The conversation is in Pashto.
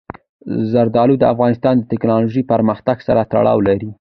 زردالو د افغانستان د تکنالوژۍ پرمختګ سره تړاو لري.